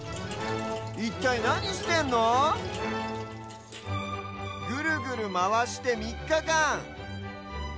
いったいなにしてんの⁉ぐるぐるまわしてみっかかん。